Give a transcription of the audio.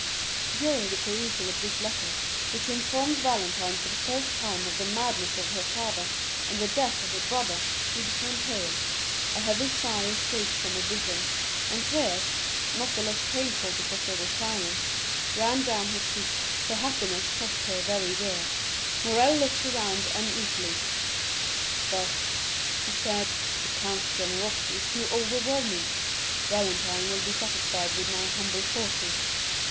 50282m During the perusal of this letter, which informed Valentine for the first time of the madness of her father and the death of her brother, she became pale, a heavy sigh escaped from her bosom, and tears, not the less painful because they were silent, ran down her cheeks; her happiness cost her very dear. Morrel looked around uneasily. "But," he said, "the count's generosity is too overwhelming; Valentine will be satisfied with my humble fortune.